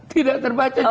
tidak terbaca juga